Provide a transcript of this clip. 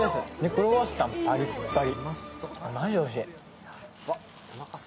クロワッサン、パリッパリ。